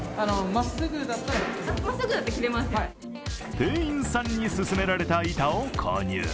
店員さんに勧められた板を購入。